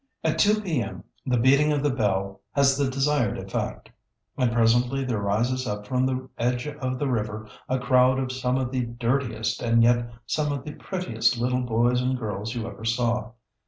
At 2 P. M. the beating of the bell has the desired effect, and presently there rises up from the edge of the river a crowd of some of the dirtiest and yet some of the prettiest little boys and girls you ever saw.